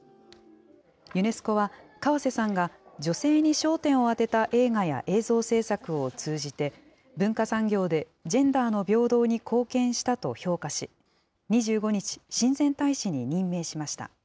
ユネスコは河瀬さんが女性に焦点を当てた映画や映像製作を通じて、文化産業でジェンダーの平等に貢献したと評価し、２５日、親善大使に任命しました。